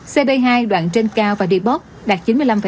cp hai đoạn trên cao và đi bóp đạt chín mươi năm tám mươi bảy